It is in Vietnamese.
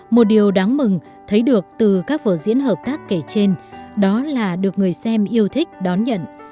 một điều đáng mừng thấy được từ các vở diễn hợp tác kể trên đó là được người xem yêu thích đón nhận